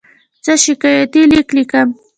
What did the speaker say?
زه شکایتي لیک لیکم.